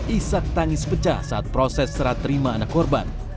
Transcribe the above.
isak tangis pecah saat proses serat terima anak korban